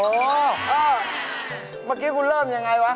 เมื่อกี้กุเริ่มอย่างไรวะ